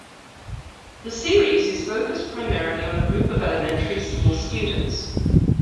The series is focused primarily on a group of elementary school students.